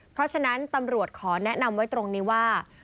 เพราะฉะนั้นตำรวจขอแนะนำไว้ตรงนี้ว่า